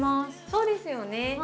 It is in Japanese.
そうですよね。